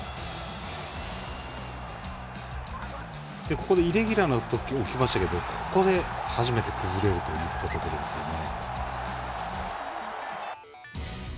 ここでイレギュラーが起きましたけどここで、初めて崩れるといったところですよね。